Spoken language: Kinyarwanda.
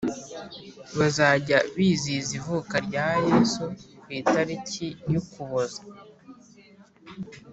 Bazajya bizihiza ivuka rya yesu ku itariki ya ukuboza